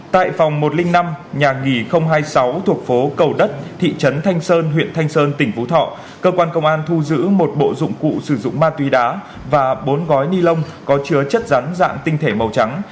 tại phòng một trăm linh năm nhà nghỉ hai mươi sáu thuộc phố cầu đất thị trấn thanh sơn huyện thanh sơn tỉnh phú thọ cơ quan công an thu giữ một bộ dụng cụ sử dụng ma túy đá và bốn gói ni lông có chứa chất rắn dạng tinh thể màu trắng